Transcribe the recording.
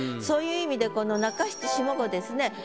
そういう意味でこの中七下五ですね。